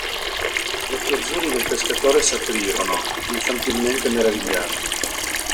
Gli occhi azzurri del pescatore s'aprirono, infantilmente meravigliati.